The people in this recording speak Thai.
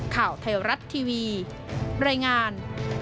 ข่าวไทยรัฐทีวีรายงาน